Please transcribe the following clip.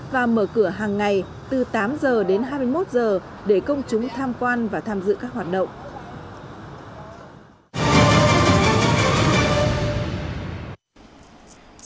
và mở cửa hàng ngày từ tám giờ đến hai mươi một giờ để công chúng tham quan và tham dự các hoạt động